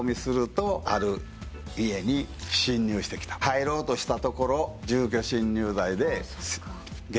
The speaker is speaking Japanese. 入ろうとしたところ。